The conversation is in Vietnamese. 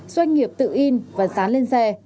doanh nghiệp tự in và sán lên xe